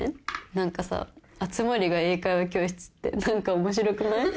何かさ熱護が英会話教室って何か面白くない？